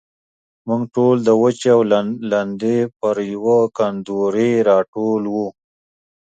موږ ټول د وچې او لندې پر يوه کوندرې راټول وو.